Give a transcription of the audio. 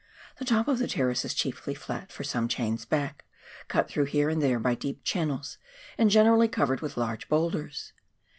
The top of the terrace is chiefly flat for some chains back, cut through here and there by deep channels, and generally covered with large boulders.